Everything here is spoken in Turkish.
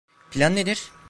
Plan nedir?